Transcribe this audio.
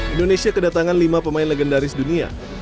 indonesia kedatangan lima pemain legendaris dunia